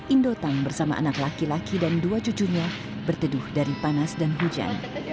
indotang bersama anak laki laki dan dua cucunya berteduh dari panas dan hujan